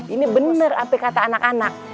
ini benar apa kata anak anak